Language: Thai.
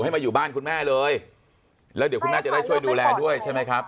ให้มาอยู่บ้านคุณแม่เลยแล้วเดี๋ยวคุณแม่จะได้ช่วยดูแลด้วยใช่ไหมครับ